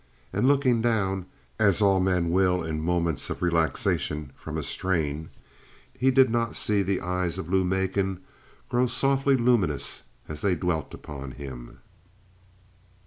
And looking down, as all men will in moments of relaxation from a strain, he did not see the eyes of Lou Macon grow softly luminous as they dwelt upon him.